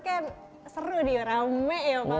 kayak seru nih rame ya pak